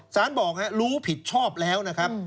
สารบอกนะฮะรู้ผิดชอบแล้วนะครับ